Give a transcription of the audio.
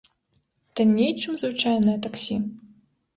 Танней, чым звычайнае таксі?